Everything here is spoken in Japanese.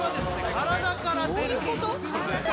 体から出るものどういうこと？